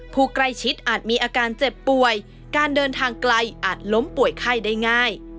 ผู้ใกล้ชิดอาจมีอาการเจ็บป่วยการเดินทางไกลอาจล้มป่วยไข้ได้ง่าย